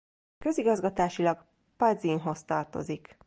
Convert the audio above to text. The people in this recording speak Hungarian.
Közigazgatásilag Pazinhoz tartozik.